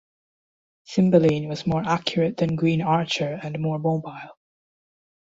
Cymbeline was more accurate than Green Archer and more mobile.